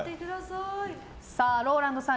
ＲＯＬＡＮＤさん